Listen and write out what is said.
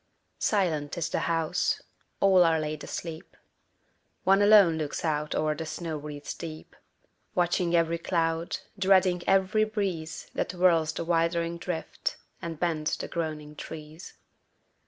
Silent is the house: all are laid asleep: One alone looks out o'er the snow wreaths deep, Watching every cloud, dreading every breeze That whirls the wildering drift, and bends the groaning trees.